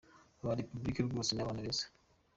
Aba Repubulika rwose ni abana beza!